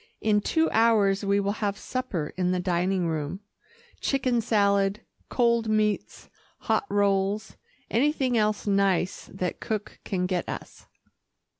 In two hours we will have supper in the dining room chicken salad, cold meats, hot rolls, anything else nice that cook can get us."